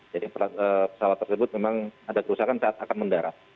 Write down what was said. jadi pesawat tersebut memang ada kerusakan saat akan mendarat